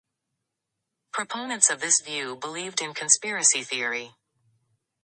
Proponents of this view believed in conspiracy theory.